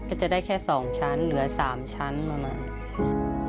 ก็จะได้แค่๒ชั้นเหลือ๓ชั้นประมาณนี้